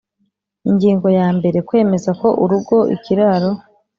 Ingingo ya mbere Kwemeza ko urugo ikiraro